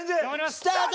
スタート！